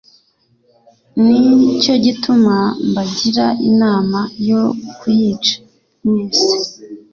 Ni cyo gituma mbagira inama yo kuyica mwese.